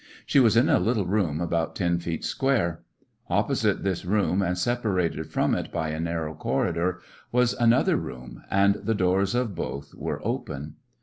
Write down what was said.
She was in a little room about ten feet square. Opposite this room, and sep arated from it by a narrow corridor, was an other room, and the doors of both were open.